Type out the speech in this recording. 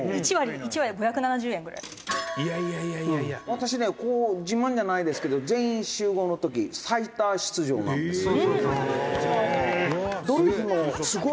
「私ね自慢じゃないですけど『全員集合』の時最多出場なんですよ」